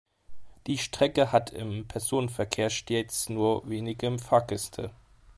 Die Strecke hatte im Personenverkehr stets nur wenige Fahrgäste.